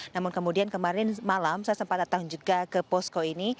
namun kemudian kemarin malam saya sempat datang juga ke posko ini